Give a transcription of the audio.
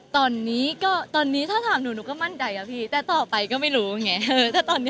ตอนนี้ก็ตอนนี้ถ้าถามหนูหนูก็มั่นใจอะพี่แต่ต่อไปก็ไม่รู้ไงถ้าตอนนี้ก็มั่นใจ